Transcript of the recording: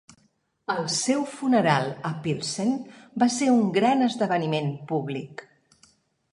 El seu funeral a Pilsen va ser un gran esdeveniment públic.